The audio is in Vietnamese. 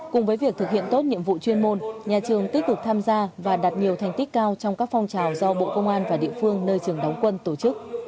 cùng với việc thực hiện tốt nhiệm vụ chuyên môn nhà trường tích cực tham gia và đạt nhiều thành tích cao trong các phong trào do bộ công an và địa phương nơi trường đóng quân tổ chức